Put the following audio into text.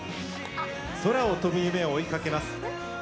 空を飛ぶ夢を追いかけます。